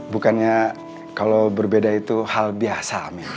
bukannya kalau berbeda itu hal biasa